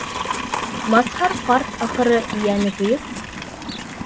Мазһар ҡарт, ахыры, йәне көйөп: